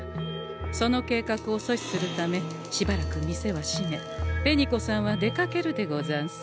その計画を阻止するためしばらく店は閉め紅子さんは出かけるでござんす。